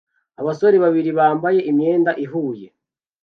Abasore babiri bambaye imyenda ihuye